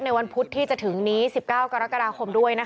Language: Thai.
วันพุธที่จะถึงนี้๑๙กรกฎาคมด้วยนะคะ